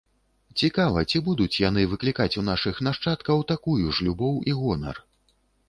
Цікава, ці будуць яны выклікаць у нашых нашчадкаў такую ж любоў і гонар?